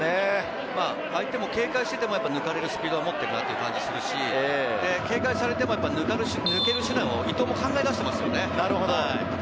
相手も警戒していても抜かれるスピードは持っているなという感じがあるし、警戒されても、抜ける手段を伊東も考え出していますよね。